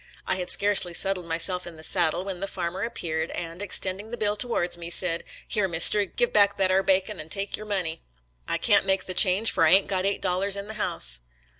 I had scarcely settled myself in the saddle when the farmer appeared, and, extending the bill toward me, said, " Here, Mister, give me back that ar bacon and take your money — I can't HOOD'S TEXANS IN PENNSYLVANIA 123 make the change, for I ain't got eight dollars in the house."